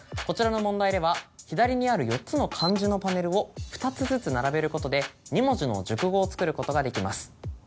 こちらの問題では左にある４つの漢字のパネルを２つずつ並べることで２文字の熟語を作ることができます。